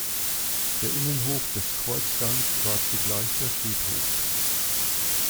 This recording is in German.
Der Innenhof des Kreuzgangs war zugleich der Friedhof.